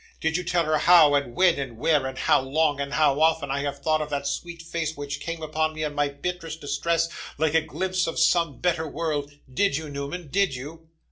Did you tell her how, and when, and where, and how long, and how often, I have thought of that sweet face which came upon me in my bitterest distress like a glimpse of some better world did you, Newman did you?